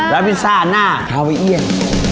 แล้วพิซซ่าหน้าคาวีเอียน